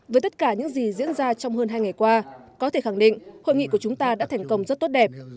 với tất cả những gì diễn ra trong hơn hai ngày qua có thể khẳng định hội nghị của chúng ta đã thành công rất tốt đẹp